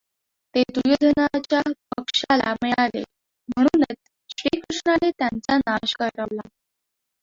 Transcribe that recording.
ते दुर्योधनाच्या पक्षाला मिळाले म्हणूनच श्रीकृष्णाने त्यांचा नाश करवला.